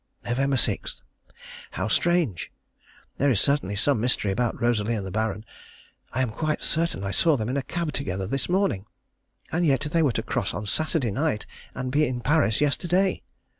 Nov. 6. How strange! There is certainly some mystery about Rosalie and the Baron. I am quite certain I saw them in a cab together this morning, and yet they were to cross on Saturday night and be in Paris yesterday.